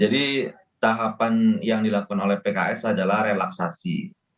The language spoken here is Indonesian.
jadi tahapan yang dilakukan oleh pks adalah relaksasi